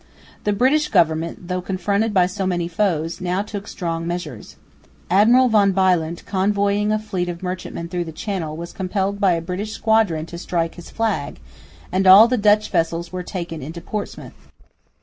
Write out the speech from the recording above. The British government, though confronted by so many foes, now took strong measures. Admiral van Bylandt, convoying a fleet of merchantmen through the Channel, was compelled by a British squadron to strike his flag; and all the Dutch vessels were taken into Portsmouth.